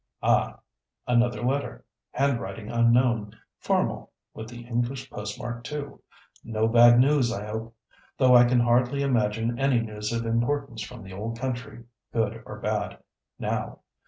Ah! another letter. Handwriting unknown, formal, with the English postmark, too. No bad news, I hope. Though I can hardly imagine any news of importance from the old country, good or bad, now.